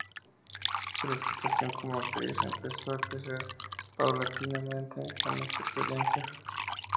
Su reputación como actriz empezó a crecer paulatinamente con esta experiencia.